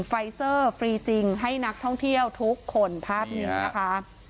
ไฟเซอร์ฟรีจริงให้นักท่องเที่ยวทุกคนภาพนี้นะคะ